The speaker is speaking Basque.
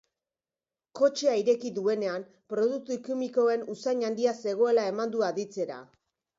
Kotxea ireki duenean produktu kimikoen usain handia zegoela eman du aditzera.